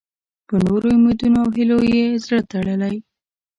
په نورو امیدونو او هیلو یې زړه تړلی.